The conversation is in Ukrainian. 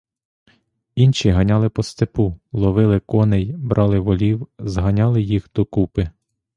Інші ганяли по степу, ловили коней, брали волів, зганяли їх докупи.